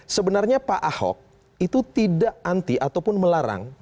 sebenarnya pak ahok itu tidak anti ataupun melarang